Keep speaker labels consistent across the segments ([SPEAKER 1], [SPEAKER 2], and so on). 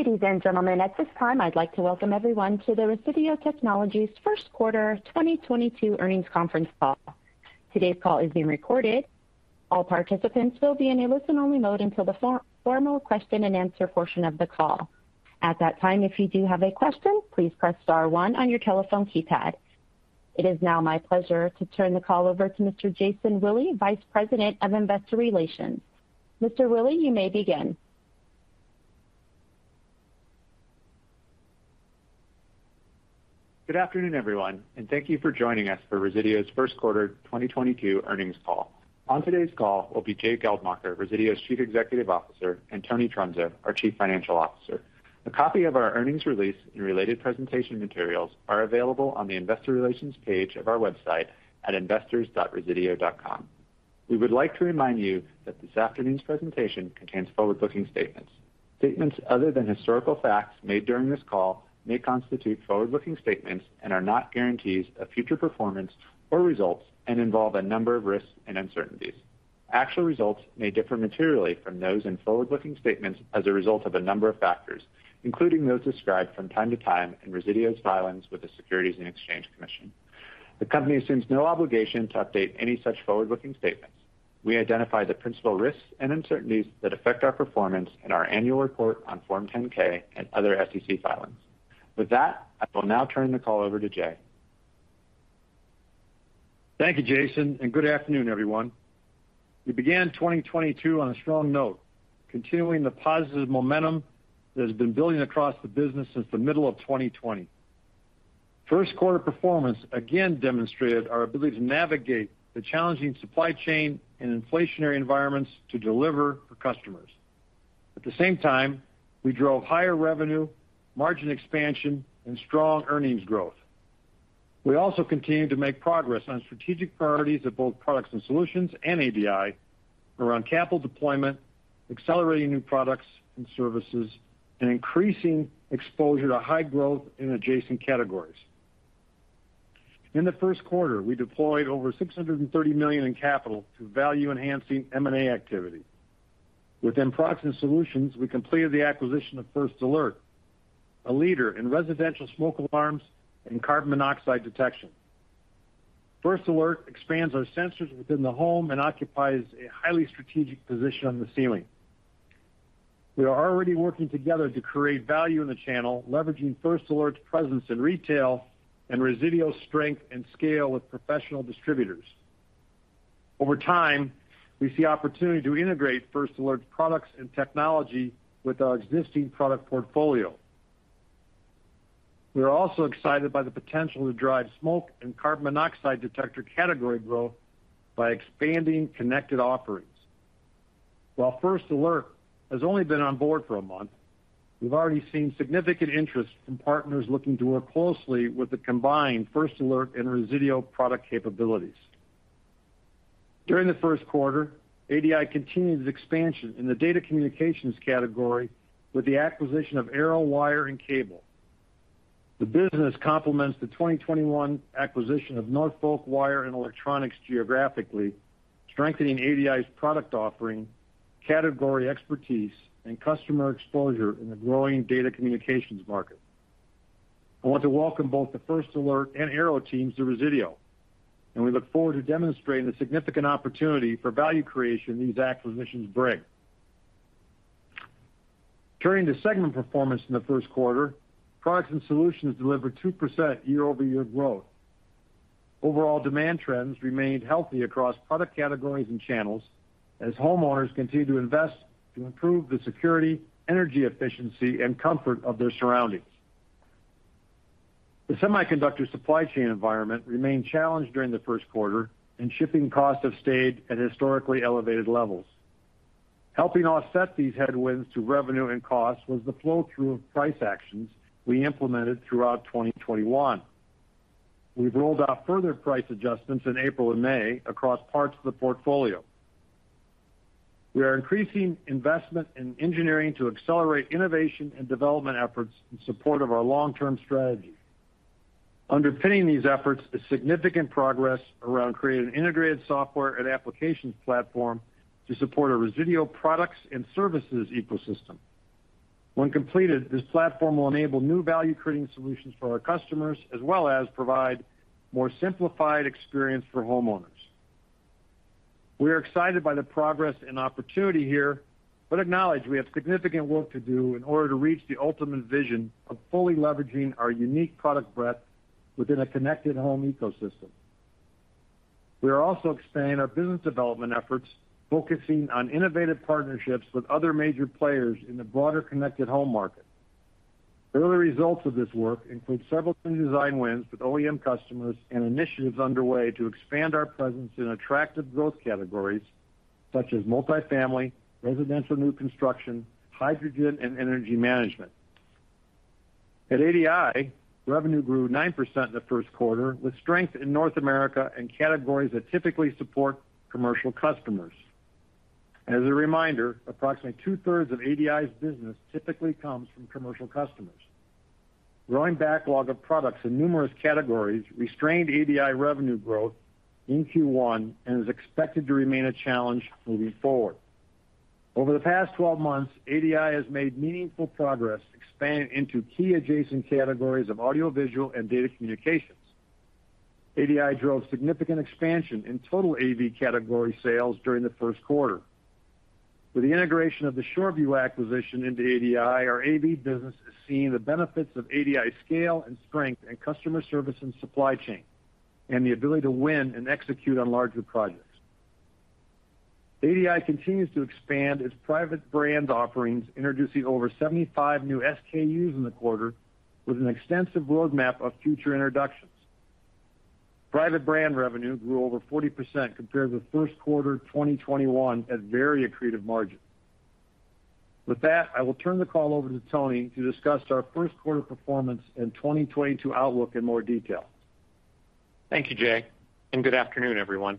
[SPEAKER 1] Ladies and gentlemen, at this time, I'd like to welcome everyone to the Resideo Technologies first quarter 2022 earnings conference call. Today's call is being recorded. All participants will be in a listen-only mode until the formal question-and-answer portion of the call. At that time, if you do have a question, please press star one on your telephone keypad. It is now my pleasure to turn the call over to Mr. Jason Willey, Vice President of Investor Relations. Mr. Willey, you may begin.
[SPEAKER 2] Good afternoon, everyone, and thank you for joining us for Resideo's first quarter 2022 earnings call. On today's call will be Jay Geldmacher, Resideo's Chief Executive Officer, and Tony Trunzo, our Chief Financial Officer. A copy of our earnings release and related presentation materials are available on the investor relations page of our website at investors.resideo.com. We would like to remind you that this afternoon's presentation contains forward-looking statements. Statements other than historical facts made during this call may constitute forward-looking statements and are not guarantees of future performance or results and involve a number of risks and uncertainties. Actual results may differ materially from those in forward-looking statements as a result of a number of factors, including those described from time to time in Resideo's filings with the Securities and Exchange Commission. The company assumes no obligation to update any such forward-looking statements. We identify the principal risks and uncertainties that affect our performance in our annual report on Form 10-K and other SEC filings. With that, I will now turn the call over to Jay.
[SPEAKER 3] Thank you, Jason, and good afternoon, everyone. We began 2022 on a strong note, continuing the positive momentum that has been building across the business since the middle of 2020. First quarter performance again demonstrated our ability to navigate the challenging supply chain and inflationary environments to deliver for customers. At the same time, we drove higher revenue, margin expansion, and strong earnings growth. We also continued to make progress on strategic priorities of both Products and Solutions and ADI around capital deployment, accelerating new products and services, and increasing exposure to high growth in adjacent categories. In the first quarter, we deployed over $630 million in capital to value-enhancing M&A activity. Within Products and Solutions, we completed the acquisition of First Alert, a leader in residential smoke alarms and carbon monoxide detection. First Alert expands our sensors within the home and occupies a highly strategic position on the ceiling. We are already working together to create value in the channel, leveraging First Alert's presence in retail and Resideo's strength and scale with professional distributors. Over time, we see opportunity to integrate First Alert's products and technology with our existing product portfolio. We are also excited by the potential to drive smoke and carbon monoxide detector category growth by expanding connected offerings. While First Alert has only been on board for a month, we've already seen significant interest from partners looking to work closely with the combined First Alert and Resideo product capabilities. During the first quarter, ADI continued its expansion in the data communications category with the acquisition of Arrow Wire & Cable. The business complements the 2021 acquisition of Norfolk Wire & Electronics geographically, strengthening ADI's product offering, category expertise, and customer exposure in the growing data communications market. I want to welcome both the First Alert and Arrow teams to Resideo, and we look forward to demonstrating the significant opportunity for value creation these acquisitions bring. Turning to segment performance in the first quarter, Products & Solutions delivered 2% year-over-year growth. Overall demand trends remained healthy across product categories and channels as homeowners continue to invest to improve the security, energy efficiency, and comfort of their surroundings. The semiconductor supply chain environment remained challenged during the first quarter, and shipping costs have stayed at historically elevated levels. Helping offset these headwinds to revenue and costs was the flow-through of price actions we implemented throughout 2021. We've rolled out further price adjustments in April and May across parts of the portfolio. We are increasing investment in engineering to accelerate innovation and development efforts in support of our long-term strategy. Underpinning these efforts is significant progress around creating integrated software and applications platform to support our Resideo products and services ecosystem. When completed, this platform will enable new value-creating solutions for our customers as well as provide more simplified experience for homeowners. We are excited by the progress and opportunity here, but acknowledge we have significant work to do in order to reach the ultimate vision of fully leveraging our unique product breadth within a connected home ecosystem. We are also expanding our business development efforts, focusing on innovative partnerships with other major players in the broader connected home market. Early results of this work include several new design wins with OEM customers and initiatives underway to expand our presence in attractive growth categories such as multi-family, residential new construction, hydrogen, and energy management. At ADI, revenue grew 9% in the first quarter, with strength in North America and categories that typically support commercial customers. As a reminder, approximately two-thirds of ADI's business typically comes from commercial customers. Growing backlog of products in numerous categories restrained ADI revenue growth in Q1 and is expected to remain a challenge moving forward. Over the past 12 months, ADI has made meaningful progress expanding into key adjacent categories of audiovisual and data communications. ADI drove significant expansion in total AV category sales during the first quarter. With the integration of the Shoreview acquisition into ADI, our AV business is seeing the benefits of ADI scale and strength in customer service and supply chain, and the ability to win and execute on larger projects. ADI continues to expand its private brand offerings, introducing over 75 new SKUs in the quarter, with an extensive roadmap of future introductions. Private brand revenue grew over 40% compared to first quarter 2021 at very accretive margins. With that, I will turn the call over to Tony to discuss our first quarter performance and 2022 outlook in more detail.
[SPEAKER 4] Thank you, Jay, and good afternoon, everyone.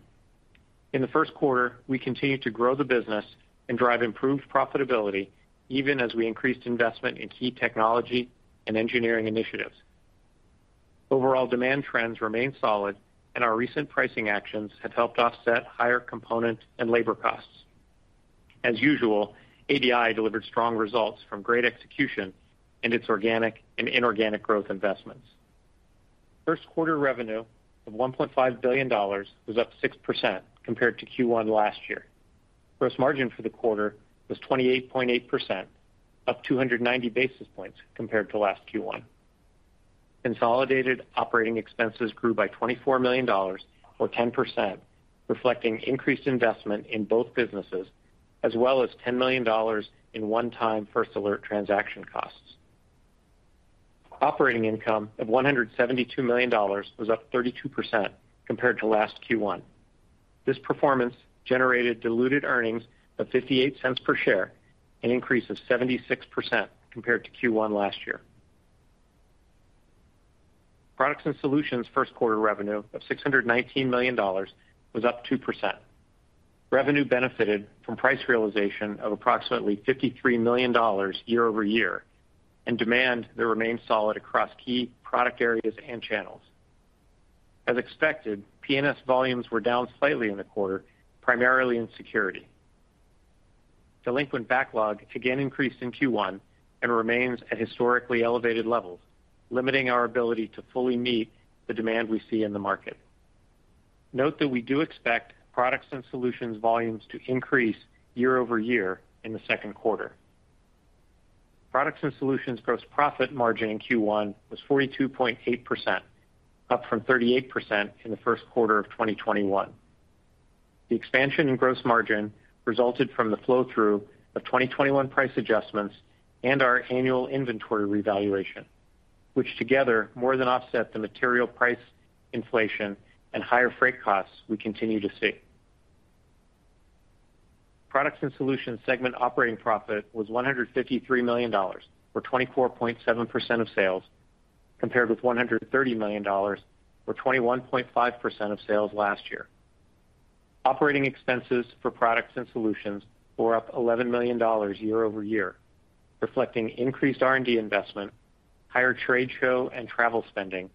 [SPEAKER 4] In the first quarter, we continued to grow the business and drive improved profitability even as we increased investment in key technology and engineering initiatives. Overall demand trends remain solid, and our recent pricing actions have helped offset higher component and labor costs. As usual, ADI delivered strong results from great execution in its organic and inorganic growth investments. First quarter revenue of $1.5 billion was up 6% compared to Q1 last year. Gross margin for the quarter was 28.8%, up 290 basis points compared to last Q1. Consolidated operating expenses grew by $24 million or 10%, reflecting increased investment in both businesses, as well as $10 million in one-time First Alert transaction costs. Operating income of $172 million was up 32% compared to last Q1. This performance generated diluted earnings of $0.58 per share, an increase of 76% compared to Q1 last year. Products & Solutions first quarter revenue of $619 million was up 2%. Revenue benefited from price realization of approximately $53 million year-over-year and demand that remained solid across key product areas and channels. As expected, PNS volumes were down slightly in the quarter, primarily in security. Delinquent backlog again increased in Q1 and remains at historically elevated levels, limiting our ability to fully meet the demand we see in the market. Note that we do expect Products & Solutions volumes to increase year-over-year in the second quarter. Products & Solutions gross profit margin in Q1 was 42.8%, up from 38% in the first quarter of 2021. The expansion in gross margin resulted from the flow through of 2021 price adjustments and our annual inventory revaluation, which together more than offset the material price inflation and higher freight costs we continue to see. Products & Solutions segment operating profit was $153 million or 24.7% of sales, compared with $130 million or 21.5% of sales last year. Operating expenses for Products & Solutions were up $11 million year-over-year, reflecting increased R&D investment, higher trade show and travel spending,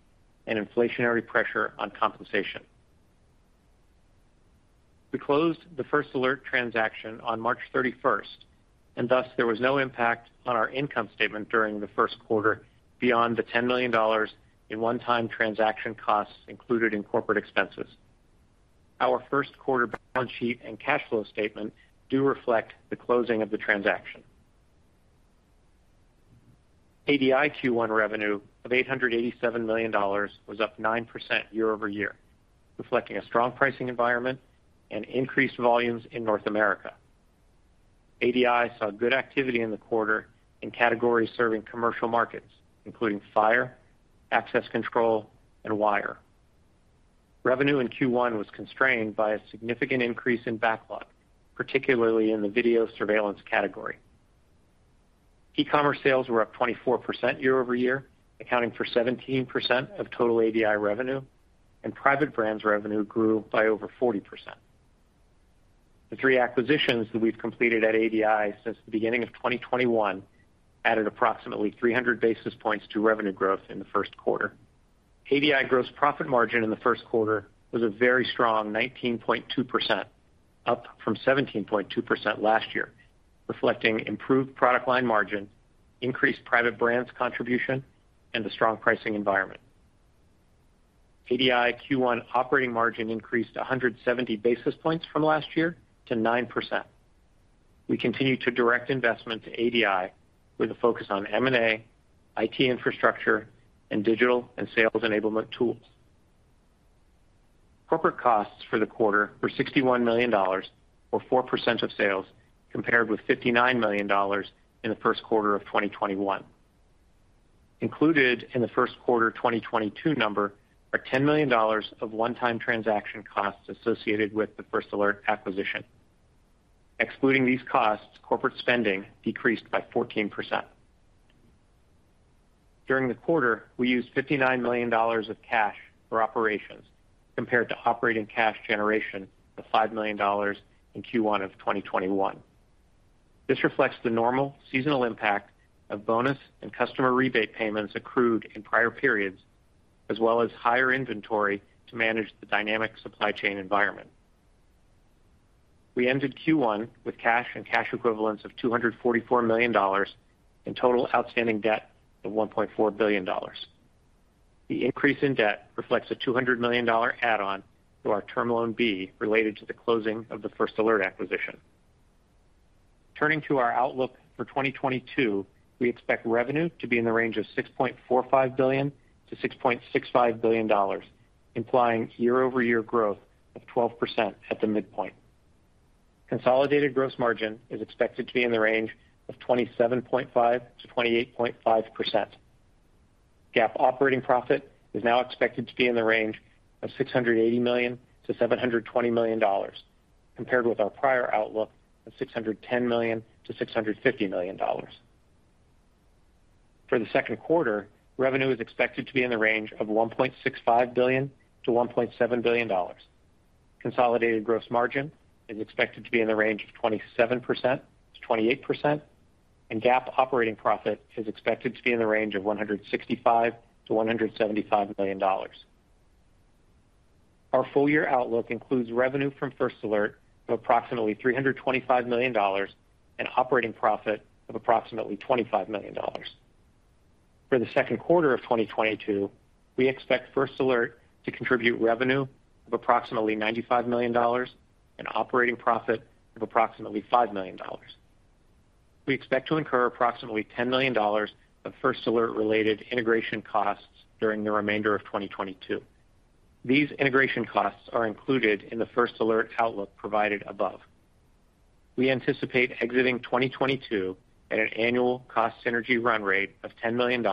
[SPEAKER 4] and inflationary pressure on compensation. We closed the First Alert transaction on March 31, and thus there was no impact on our income statement during the first quarter beyond the $10 million in one-time transaction costs included in corporate expenses. Our first quarter balance sheet and cash flow statement do reflect the closing of the transaction. ADI Q1 revenue of $887 million was up 9% year-over-year, reflecting a strong pricing environment and increased volumes in North America. ADI saw good activity in the quarter in categories serving commercial markets, including fire, access control, and wire. Revenue in Q1 was constrained by a significant increase in backlog, particularly in the video surveillance category. e-commerce sales were up 24% year-over-year, accounting for 17% of total ADI revenue, and private brands revenue grew by over 40%. The 3 acquisitions that we've completed at ADI since the beginning of 2021 added approximately 300 basis points to revenue growth in the first quarter. ADI gross profit margin in the first quarter was a very strong 19.2%, up from 17.2% last year, reflecting improved product line margin, increased private brands contribution, and a strong pricing environment. ADI Q1 operating margin increased 170 basis points from last year to 9%. We continue to direct investment to ADI with a focus on M&A, IT infrastructure, and digital and sales enablement tools. Corporate costs for the quarter were $61 million or 4% of sales, compared with $59 million in the first quarter of 2021. Included in the first quarter 2022 number are $10 million of one-time transaction costs associated with the First Alert acquisition. Excluding these costs, corporate spending decreased by 14%. During the quarter, we used $59 million of cash for operations compared to operating cash generation of $5 million in Q1 of 2021. This reflects the normal seasonal impact of bonus and customer rebate payments accrued in prior periods, as well as higher inventory to manage the dynamic supply chain environment. We ended Q1 with cash and cash equivalents of $244 million and total outstanding debt of $1.4 billion. The increase in debt reflects a $200 million add-on to our Term Loan B related to the closing of the First Alert acquisition. Turning to our outlook for 2022, we expect revenue to be in the range of $6.45 billion-$6.65 billion, implying year-over-year growth of 12% at the midpoint. Consolidated gross margin is expected to be in the range of 27.5%-28.5%. GAAP operating profit is now expected to be in the range of $680 million-$720 million, compared with our prior outlook of $610 million-$650 million. For the second quarter, revenue is expected to be in the range of $1.65 billion-$1.7 billion. Consolidated gross margin is expected to be in the range of 27%-28%, and GAAP operating profit is expected to be in the range of $165 million-$175 million. Our full year outlook includes revenue from First Alert of approximately $325 million and operating profit of approximately $25 million. For the second quarter of 2022, we expect First Alert to contribute revenue of approximately $95 million and operating profit of approximately $5 million. We expect to incur approximately $10 million of First Alert related integration costs during the remainder of 2022. These integration costs are included in the First Alert outlook provided above. We anticipate exiting 2022 at an annual cost synergy run rate of $10 million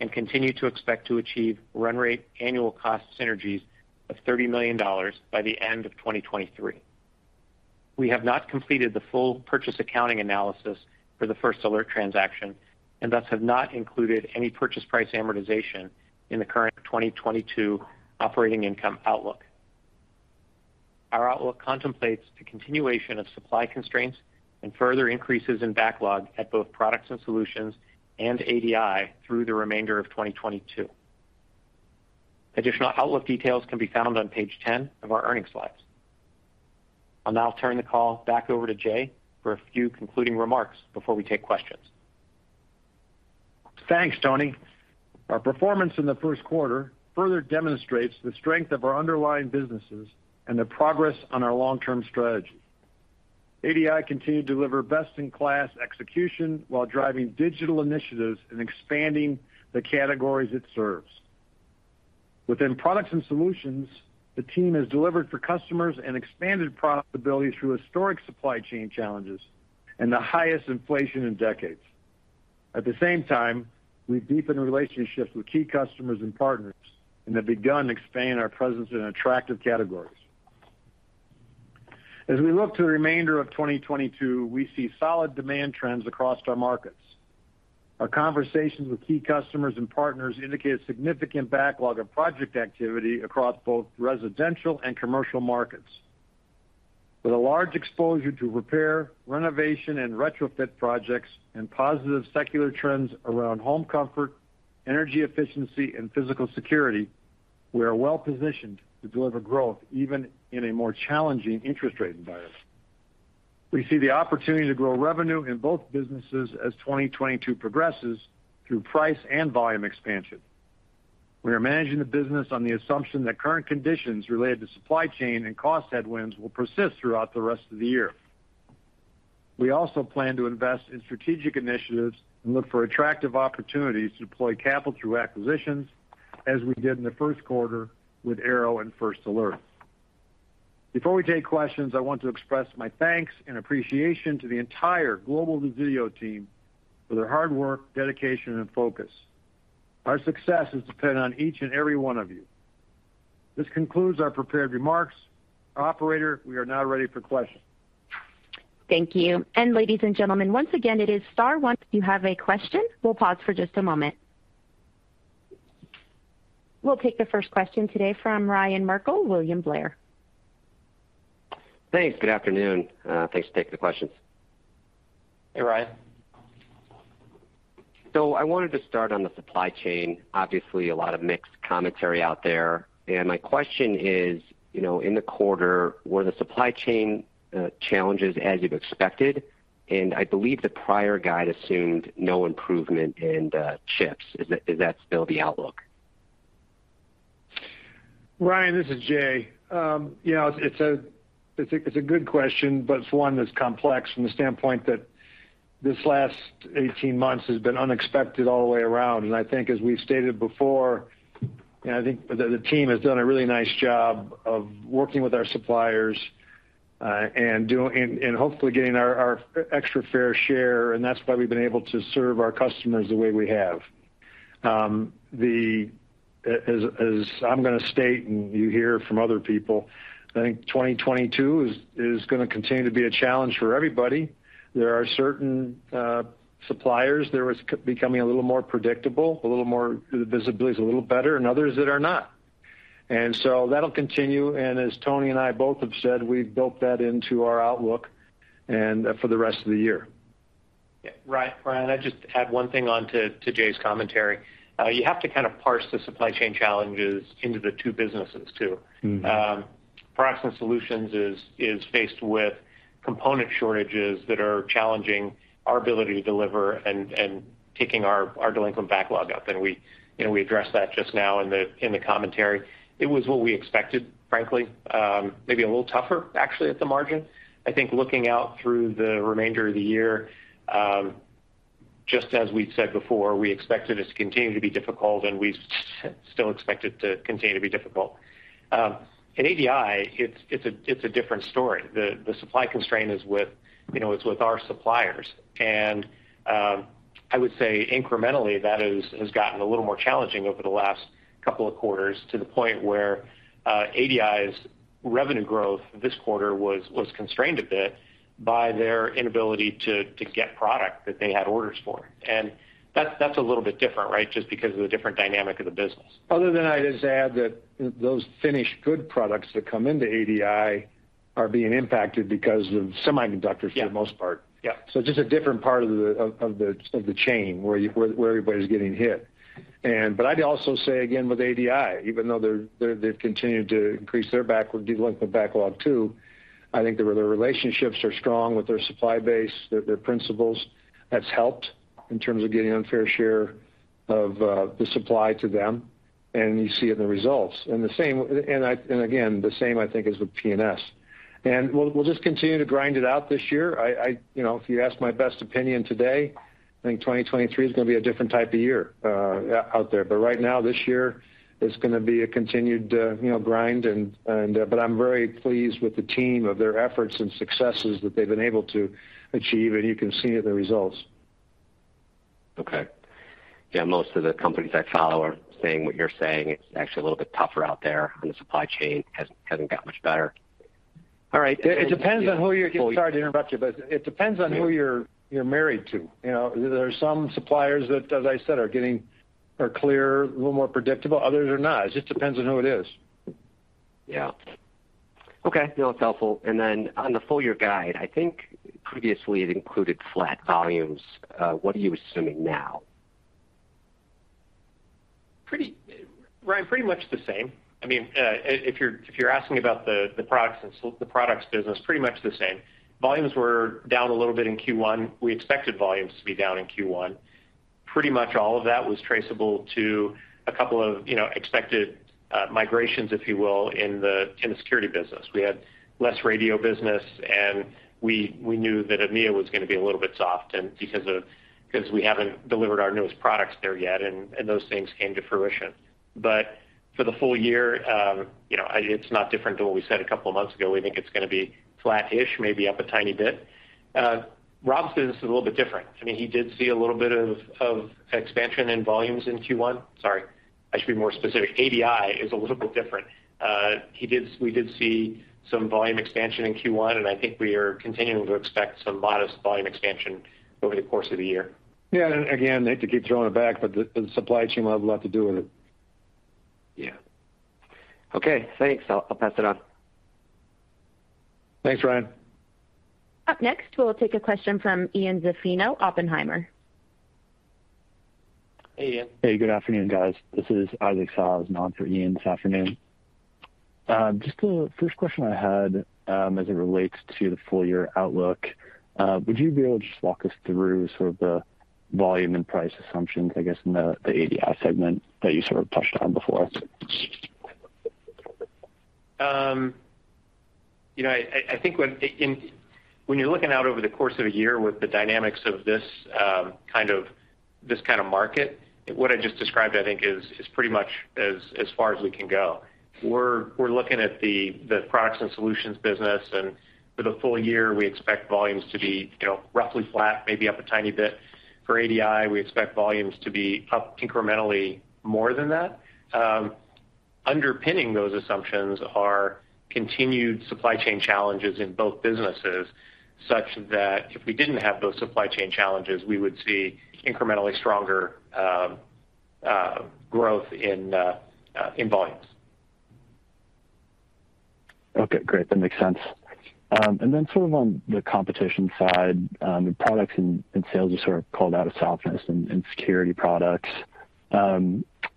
[SPEAKER 4] and continue to expect to achieve run rate annual cost synergies of $30 million by the end of 2023. We have not completed the full purchase accounting analysis for the First Alert transaction and thus have not included any purchase price amortization in the current 2022 operating income outlook. Our outlook contemplates the continuation of supply constraints and further increases in backlog at both Products & Solutions and ADI through the remainder of 2022. Additional outlook details can be found on page 10 of our earnings slides. I'll now turn the call back over to Jay for a few concluding remarks before we take questions.
[SPEAKER 3] Thanks, Tony. Our performance in the first quarter further demonstrates the strength of our underlying businesses and the progress on our long-term strategy. ADI continued to deliver best in class execution while driving digital initiatives and expanding the categories it serves. Within Products & Solutions, the team has delivered for customers and expanded profitability through historic supply chain challenges and the highest inflation in decades. At the same time, we've deepened relationships with key customers and partners and have begun to expand our presence in attractive categories. As we look to the remainder of 2022, we see solid demand trends across our markets. Our conversations with key customers and partners indicate a significant backlog of project activity across both residential and commercial markets. With a large exposure to repair, renovation, and retrofit projects and positive secular trends around home comfort, energy efficiency, and physical security, we are well-positioned to deliver growth even in a more challenging interest rate environment. We see the opportunity to grow revenue in both businesses as 2022 progresses through price and volume expansion. We are managing the business on the assumption that current conditions related to supply chain and cost headwinds will persist throughout the rest of the year. We also plan to invest in strategic initiatives and look for attractive opportunities to deploy capital through acquisitions as we did in the first quarter with Arrow and First Alert. Before we take questions, I want to express my thanks and appreciation to the entire global Resideo team for their hard work, dedication, and focus. Our success is dependent on each and every one of you. This concludes our prepared remarks. Operator, we are now ready for questions.
[SPEAKER 1] Thank you. Ladies and gentlemen, once again, it is star one if you have a question. We'll pause for just a moment. We'll take the first question today from Ryan Merkel, William Blair.
[SPEAKER 5] Thanks. Good afternoon. Thanks for taking the questions.
[SPEAKER 3] Hey, Ryan.
[SPEAKER 5] I wanted to start on the supply chain. Obviously, a lot of mixed commentary out there. My question is, you know, in the quarter, were the supply chain challenges as you've expected? I believe the prior guide assumed no improvement in the chips. Is that still the outlook?
[SPEAKER 3] Ryan, this is Jay. You know, it's a good question, but it's one that's complex from the standpoint that this last 18 months has been unexpected all the way around. I think as we've stated before, the team has done a really nice job of working with our suppliers, and doing and hopefully getting our extra fair share, and that's why we've been able to serve our customers the way we have. As I'm gonna state and you hear from other people, I think 2022 is gonna continue to be a challenge for everybody. There are certain suppliers that was becoming a little more predictable, a little more the visibility is a little better, and others that are not. That'll continue. As Tony and I both have said, we've built that into our outlook and for the rest of the year.
[SPEAKER 4] Yeah. Ryan, I'd just add one thing on to Jay's commentary. You have to kind of parse the supply chain challenges into the two businesses too. Products & Solutions is faced with component shortages that are challenging our ability to deliver and taking our delinquent backlog up. You know, we addressed that just now in the commentary. It was what we expected, frankly, maybe a little tougher actually at the margin. I think looking out through the remainder of the year, just as we'd said before, we expected it to continue to be difficult, and we still expect it to continue to be difficult. At ADI, it's a different story. The supply constraint is with, you know, it's with our suppliers. I would say incrementally that has gotten a little more challenging over the last couple of quarters to the point where, ADI's revenue growth this quarter was constrained a bit by their inability to get product that they had orders for. That's a little bit different, right? Just because of the different dynamic of the business.
[SPEAKER 3] Other than I'd just add that those finished goods products that come into ADI are being impacted because of semiconductors.
[SPEAKER 4] Yeah
[SPEAKER 3] for the most part.
[SPEAKER 4] Yeah.
[SPEAKER 3] Just a different part of the chain where everybody's getting hit. I'd also say again with ADI, even though they've continued to increase their delinquent backlog too. I think their relationships are strong with their supply base, their principals. That's helped in terms of getting our fair share of the supply to them, and you see it in the results. The same again, I think as with P&S. We'll just continue to grind it out this year. You know, if you ask my best opinion today, I think 2023 is gonna be a different type of year out there. Right now, this year is gonna be a continued, you know, grind and. I'm very pleased with the team and their efforts and successes that they've been able to achieve, and you can see the results.
[SPEAKER 5] Okay. Yeah, most of the companies I follow are saying what you're saying. It's actually a little bit tougher out there, and the supply chain hasn't got much better. All right.
[SPEAKER 3] Sorry to interrupt you, but it depends on who you're married to, you know. There are some suppliers that, as I said, are getting clearer, a little more predictable. Others are not. It just depends on who it is.
[SPEAKER 5] Yeah. Okay. No, it's helpful. On the full year guide, I think previously it included flat volumes. What are you assuming now?
[SPEAKER 4] Ryan, pretty much the same. I mean, if you're asking about the products business, pretty much the same. Volumes were down a little bit in Q1. We expected volumes to be down in Q1. Pretty much all of that was traceable to a couple of expected migrations, if you will, in the security business. We had less radio business, and we knew that EMEA was gonna be a little bit soft because we haven't delivered our newest products there yet, and those things came to fruition. For the full year, you know, it's not different to what we said a couple of months ago. We think it's gonna be flattish, maybe up a tiny bit. Rob's business is a little bit different. I mean, he did see a little bit of expansion in volumes in Q1. Sorry, I should be more specific. ADI is a little bit different. We did see some volume expansion in Q1, and I think we are continuing to expect some modest volume expansion over the course of the year.
[SPEAKER 3] Yeah. Again, I hate to keep throwing it back, but the supply chain will have a lot to do with it.
[SPEAKER 5] Yeah. Okay, thanks. I'll pass it on.
[SPEAKER 3] Thanks, Ryan.
[SPEAKER 1] Up next, we'll take a question from Ian Zaffino, Oppenheimer.
[SPEAKER 4] Hey, Ian.
[SPEAKER 6] Hey, good afternoon, guys. This is Isaac [Saez] on for Ian this afternoon. Just the first question I had, as it relates to the full year outlook, would you be able to just walk us through sort of the volume and price assumptions, I guess, in the ADI segment that you sort of touched on before?
[SPEAKER 4] I think when you're looking out over the course of a year with the dynamics of this kind of market, what I just described, I think, is pretty much as far as we can go. We're looking at the Products & Solutions business, and for the full year, we expect volumes to be, you know, roughly flat, maybe up a tiny bit. For ADI, we expect volumes to be up incrementally more than that. Underpinning those assumptions are continued supply chain challenges in both businesses, such that if we didn't have those supply chain challenges, we would see incrementally stronger growth in volumes.
[SPEAKER 6] Okay, great. That makes sense. Sort of on the competition side, the products and sales you sort of called out a softness in security products.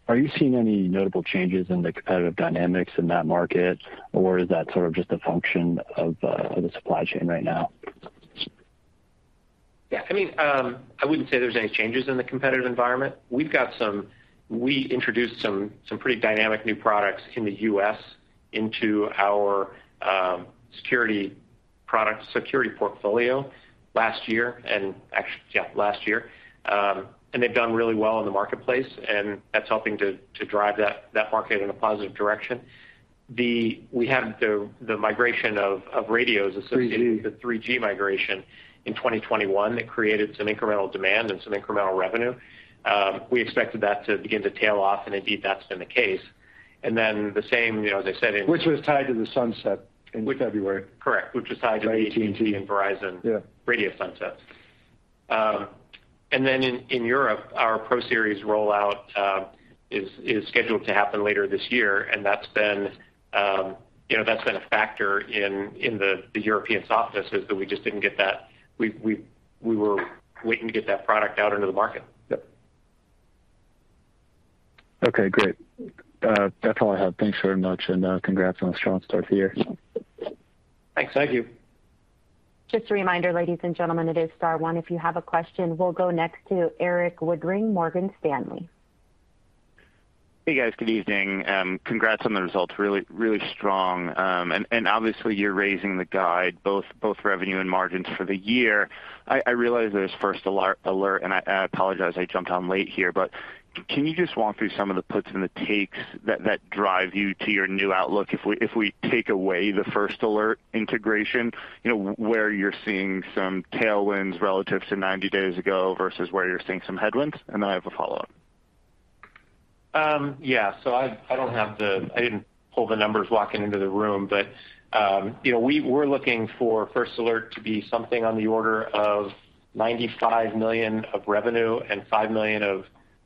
[SPEAKER 6] Are you seeing any notable changes in the competitive dynamics in that market, or is that sort of just a function of the supply chain right now?
[SPEAKER 4] Yeah. I mean, I wouldn't say there's any changes in the competitive environment. We introduced some pretty dynamic new products in the U.S. into our security product security portfolio last year and actually yeah last year. And they've done really well in the marketplace, and that's helping to drive that market in a positive direction. We had the migration of radios associated-
[SPEAKER 3] 3G.
[SPEAKER 4] The 3G migration in 2021 that created some incremental demand and some incremental revenue. We expected that to begin to tail off, and indeed, that's been the case. The same, you know, as I said in-
[SPEAKER 3] Which was tied to the sunset in February.
[SPEAKER 4] Correct. Which was tied to AT&T.
[SPEAKER 3] AT&T
[SPEAKER 4] Verizon.
[SPEAKER 3] Yeah
[SPEAKER 4] radio sunsets. In Europe, our ProSeries rollout is scheduled to happen later this year, and that's been, you know, a factor in the European softness is that we just didn't get that. We were waiting to get that product out into the market.
[SPEAKER 3] Yep.
[SPEAKER 6] Okay, great. That's all I have. Thanks very much, and congrats on a strong start to the year.
[SPEAKER 4] Thanks.
[SPEAKER 3] Thank you.
[SPEAKER 1] Just a reminder, ladies and gentlemen, it is star one if you have a question. We'll go next to Erik Woodring, Morgan Stanley.
[SPEAKER 7] Hey, guys. Good evening. Congrats on the results. Really strong. Obviously, you're raising the guide, both revenue and margins for the year. I realize there's First Alert, and I apologize, I jumped on late here, but can you just walk through some of the puts and the takes that drive you to your new outlook if we take away the First Alert integration, you know, where you're seeing some tailwinds relative to 90 days ago versus where you're seeing some headwinds? Then I have a follow-up.
[SPEAKER 4] Yeah. I don't have the. I didn't pull the numbers walking into the room, but, you know, we were looking for First Alert to be something on the order of $95 million of revenue and $5 million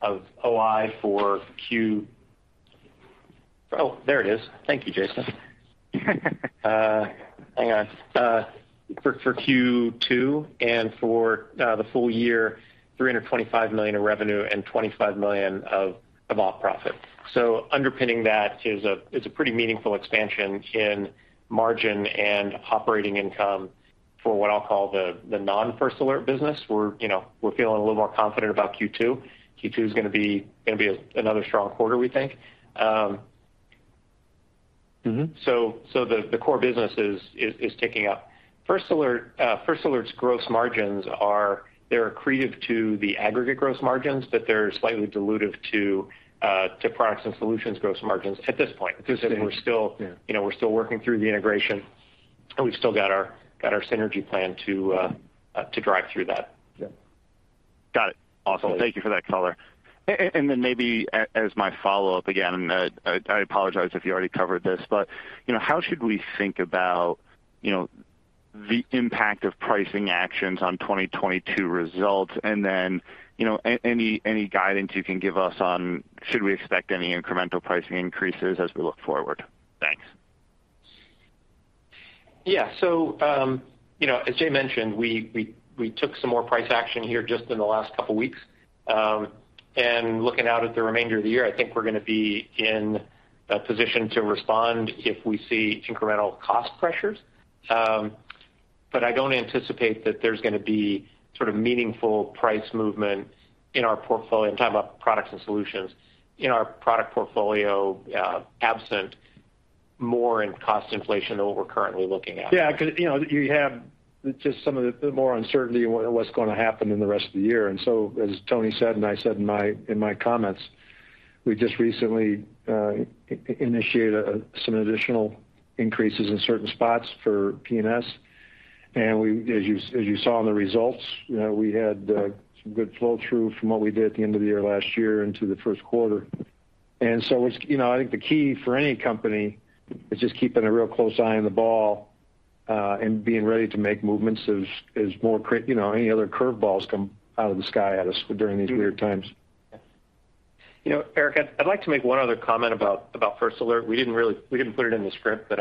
[SPEAKER 4] of OI for Q2 and for the full year, $325 million of revenue and $25 million of op profit. Underpinning that is it's a pretty meaningful expansion in margin and operating income for what I'll call the non-First Alert business. We're, you know, we're feeling a little more confident about Q2. Q2 is gonna be another strong quarter, we think. The core business is ticking up. First Alert's gross margins are accretive to the aggregate gross margins, but they're slightly dilutive to Products and Solutions gross margins at this point.
[SPEAKER 7] Understood.
[SPEAKER 4] We're still-
[SPEAKER 7] Yeah.
[SPEAKER 4] You know, we're still working through the integration, and we've still got our synergy plan to drive through that.
[SPEAKER 7] Yeah. Got it. Awesome.
[SPEAKER 4] Okay.
[SPEAKER 7] Thank you for that color. Maybe as my follow-up, again, I apologize if you already covered this, but, you know, how should we think about, you know, the impact of pricing actions on 2022 results? You know, any guidance you can give us on should we expect any incremental pricing increases as we look forward? Thanks.
[SPEAKER 4] Yeah. You know, as Jay mentioned, we took some more price action here just in the last couple weeks. Looking out at the remainder of the year, I think we're gonna be in a position to respond if we see incremental cost pressures. I don't anticipate that there's gonna be sort of meaningful price movement in our portfolio. I'm talking about Products & Solutions, in our product portfolio, absent more intense cost inflation than what we're currently looking at.
[SPEAKER 3] Yeah, 'cause, you know, you have just some of the more uncertainty in what's gonna happen in the rest of the year. As Tony said and I said in my comments, we just recently initiated some additional increases in certain spots for P&S. As you saw in the results, we had some good flow-through from what we did at the end of the year last year into the first quarter. It's, you know, I think the key for any company is just keeping a real close eye on the ball and being ready to make movements as more you know, any other curve balls come out of the sky at us during these weird times.
[SPEAKER 4] You know, Erik, I'd like to make one other comment about First Alert. We didn't put it in the script, but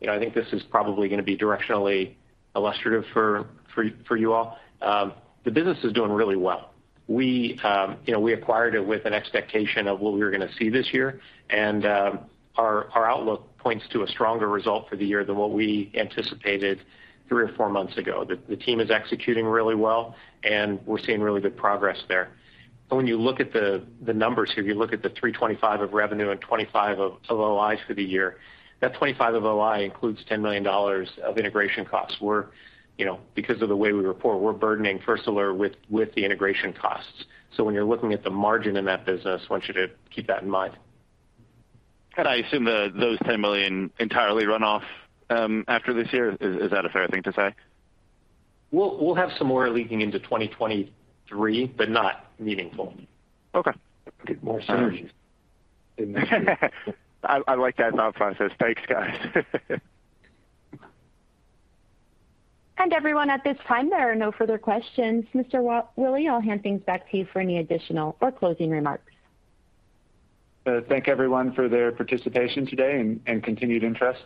[SPEAKER 4] you know, I think this is probably gonna be directionally illustrative for you all. The business is doing really well. We you know, we acquired it with an expectation of what we were gonna see this year, and our outlook points to a stronger result for the year than what we anticipated three or four months ago. The team is executing really well, and we're seeing really good progress there. But when you look at the numbers here, if you look at the $325 million of revenue and $25 million of OIs for the year, that $25 million of OI includes $10 million of integration costs. We're, you know, because of the way we report, we're burdening First Alert with the integration costs. When you're looking at the margin in that business, want you to keep that in mind.
[SPEAKER 7] I assume those $10 million entirely run off after this year. Is that a fair thing to say?
[SPEAKER 4] We'll have some more leaking into 2023, but not meaningful.
[SPEAKER 7] Okay.
[SPEAKER 3] More synergies.
[SPEAKER 7] I like that thought process. Thanks, guys.
[SPEAKER 1] Everyone, at this time, there are no further questions. Mr. Willey, I'll hand things back to you for any additional or closing remarks.
[SPEAKER 2] Thank everyone for their participation today and continued interest.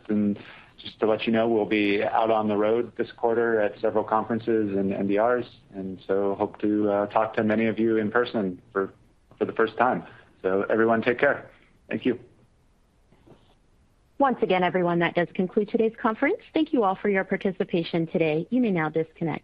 [SPEAKER 2] Just to let you know, we'll be out on the road this quarter at several conferences and NDRs, and so hope to talk to many of you in person for the first time. Everyone take care. Thank you.
[SPEAKER 1] Once again, everyone, that does conclude today's conference. Thank you all for your participation today. You may now disconnect.